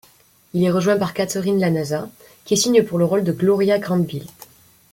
Il est rejoint par Katherine LaNasa qui signe pour le rôle de Gloria Grandbilt.